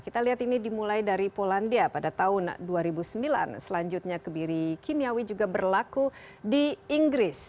kita lihat ini dimulai dari polandia pada tahun dua ribu sembilan selanjutnya kebiri kimiawi juga berlaku di inggris